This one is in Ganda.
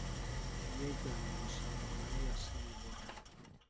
Yeegaana omusango naye yasibibwa.